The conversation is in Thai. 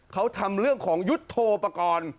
เขาทำเรื่องของยุทธโทปกรณ์